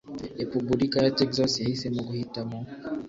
repubulika ya texas yahisemo guhitamo